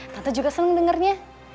tante juga seneng dengernya